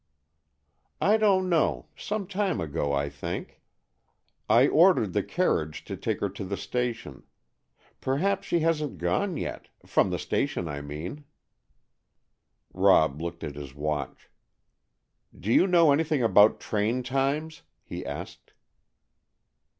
"I don't know; some time ago, I think. I ordered the carriage to take her to the station. Perhaps she hasn't gone yet—from the station, I mean." Rob looked at his watch. "Do you know anything about train times?" he asked.